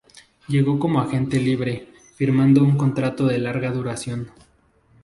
Llegó como agente libre, firmando un contrato de larga duración.